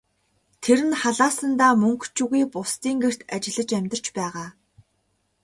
Тэр нь халаасандаа мөнгө ч үгүй, бусдын гэрт ажиллаж амьдарч байгаа.